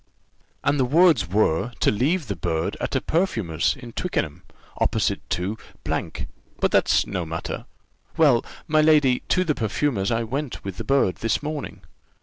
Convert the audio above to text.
"And the words were, to leave the bird at a perfumer's in Twickenham, opposite to ; but that's no matter. Well, my lady, to the perfumer's I went with the bird, this morning.